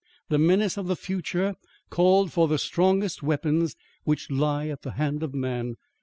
The menace of the future called for the strongest weapons which lie at the hand of man.